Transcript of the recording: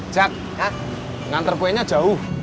jak ngantre gue nya jauh